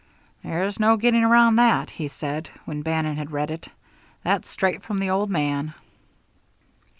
"There's no getting around that," he said, when Bannon had read it. "That's straight from the old man."